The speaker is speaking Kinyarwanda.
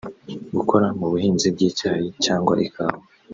gukora mu buhinzi bw’icyayi cyangwa ikawa